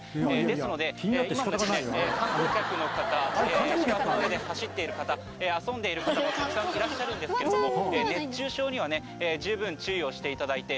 ですので今も観光客の方芝生の上で走っている方遊んでいる方もたくさんいらっしゃるんですけれども熱中症には十分注意をしていただいて。